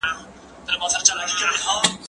زه کولای سم کالي وپرېولم!؟